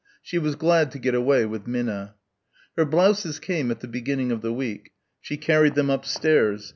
She was glad to get away with Minna. Her blouses came at the beginning of the week. She carried them upstairs.